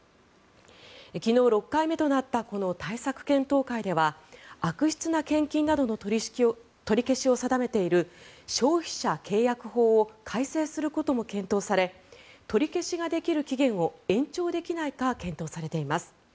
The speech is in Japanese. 昨日、６回目となったこの対策検討会では悪質な献金などの取り消しを定めている消費者契約法を改正することも検討され取り消しができる期限を延長できないか検討されています。